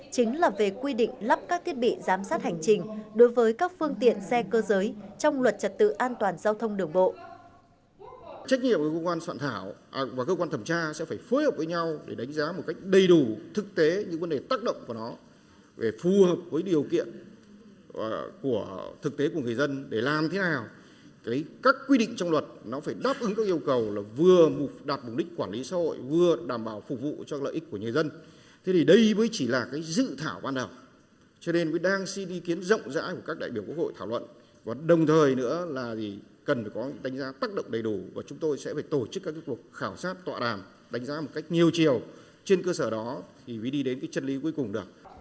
chính là về quy định lắp các thiết bị giám sát hành trình đối với các phương tiện xe cơ giới trong luật trật tự an toàn giao thông đường bộ